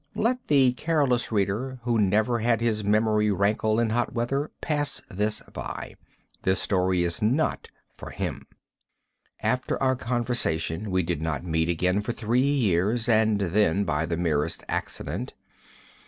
Let the careless reader who never had his memory rankle in hot weather, pass this by. This story is not for him. After our first conversation we did not meet again for three years, and then by the merest accident.